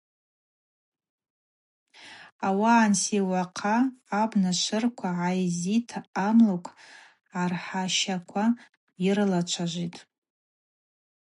Ауаъа ансиуахъа абна швырква гӏайззитӏта амлыкв гӏархӏащаква йрылачважвитӏ.